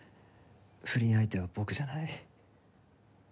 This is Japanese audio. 不倫相手は僕じゃない。